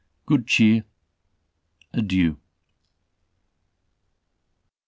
Good cheer! Adieu."